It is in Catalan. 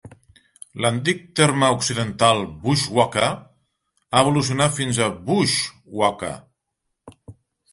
L'antic terme occidental "bushwhacker" ha evolucionat fins a "Busch Whacker".